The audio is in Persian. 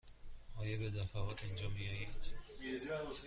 آیا به دفعات اینجا می آیید؟